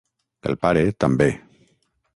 El pare, també.